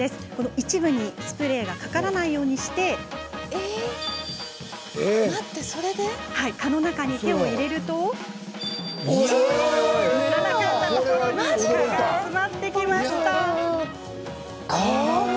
一部にスプレーがかからないようにして蚊の中に手を入れると塗らなかったところに蚊が集まってきました。